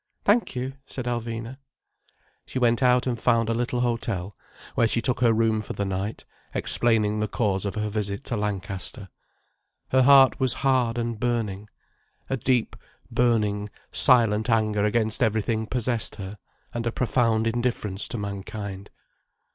"Thank you," said Alvina. She went out and found a little hotel, where she took her room for the night, explaining the cause of her visit to Lancaster. Her heart was hard and burning. A deep, burning, silent anger against everything possessed her, and a profound indifference to mankind.